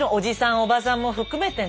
おばさんも含めてね